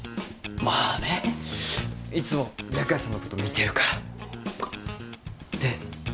まあねいつも白夜さんのこと見てるから。